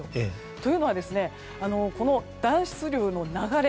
というのは、この暖湿流の流れ